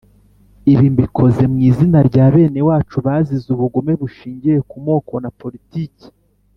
ibi mbikoze mu izina rya benewacu bazize ubugome bushingiye ku moko na politiki.